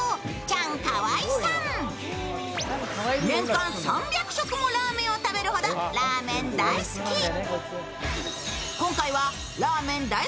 年間３００食もラーメンを食べるほど、ラーメン大好き。